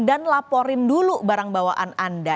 dan laporin dulu barang bawaan anda